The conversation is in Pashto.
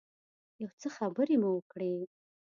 یو څه خبرې مو وکړې.